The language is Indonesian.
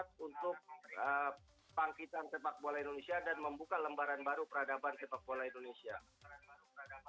dan membuka lembaran baru peradaban